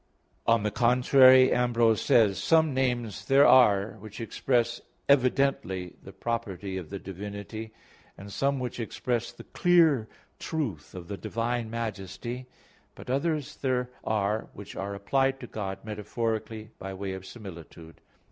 On the contrary, Ambrose says (De Fide ii), "Some names there are which express evidently the property of the divinity, and some which express the clear truth of the divine majesty, but others there are which are applied to God metaphorically by way of similitude."